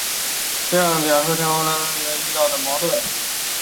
这样的假说调和了经典物理学理论研究热辐射规律时遇到的矛盾。